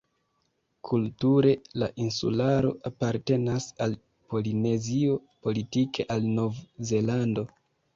Kulture la insularo apartenas al Polinezio, politike al Nov-Zelando.